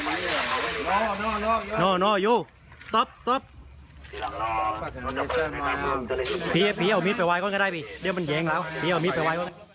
เดี๋ยวมันแย้งแล้ว